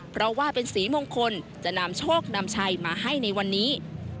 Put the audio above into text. เพราะว่าเป็นสีมงคลจะนำโชคนำชัยมาให้ในวันนี้